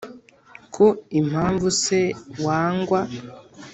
ko impamvu se wangwa